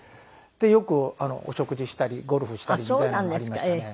でよくお食事したりゴルフしたりみたいなのはありましたね。